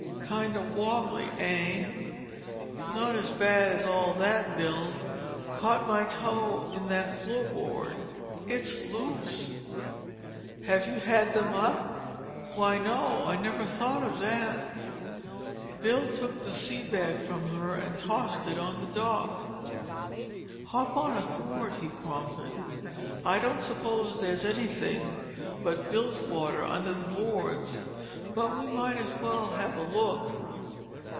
"Kind o' wobbly, eh?" "Not as bad as all that, Bill. Caught my toe in that floorboard. It's loose." "Have you had them up?" "Why, no, I never thought of that." Bill took the sea bag from her and tossed it on to the dock. "Hop on a thwart," he prompted. "I don't suppose there's anything but bilgewater under the boards but we might as well have a look."